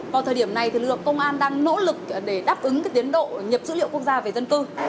vào thời điểm này lực lượng công an đang nỗ lực để đáp ứng tiến độ nhập dữ liệu quốc gia về dân cư